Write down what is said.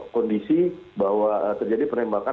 kondisi bahwa terjadi penembakan